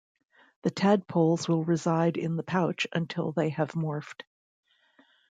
The tadpoles will reside in the pouch until they have morphed.